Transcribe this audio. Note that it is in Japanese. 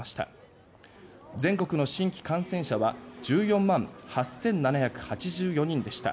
全国の新規感染者は１４万８７８４人でした。